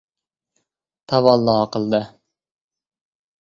Tavallo qildi.